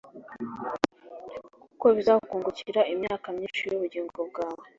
kuko bizakungurira imyaka myinshi y’ubugingo bwawe